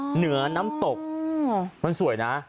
เหนือน้ำตกมันสวยนะ